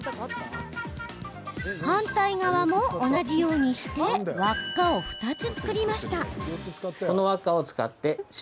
反対側も同じようにして輪っかを２つ作りました。